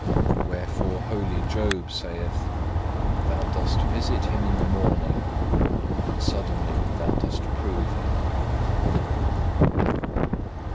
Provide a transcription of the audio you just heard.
Wherefore holy Job saith, Thou dost visit him in the morning, and suddenly Thou dost prove him.